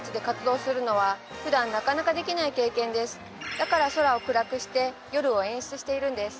だから空を暗くして夜を演出しているんです。